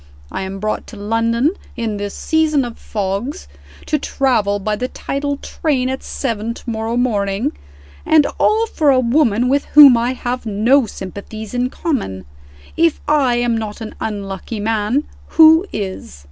I am brought to London in this season of fogs, to travel by the tidal train at seven to morrow morning and all for a woman with whom I have no sympathies in common. If I am not an unlucky man who is?"